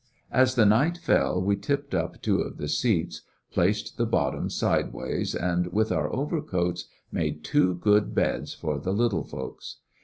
As the night fell, we tipped up two of the seats, placed the bottoms sideways, and with our overcoats made two good beds for the lit tle folks.